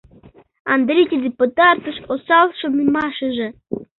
Андрий тиде пытартыш осал шонымашыже...